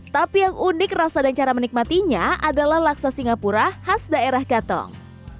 tapi yang unik rasa dan cara menikmatinya adalah laksa singapura khas daerah katong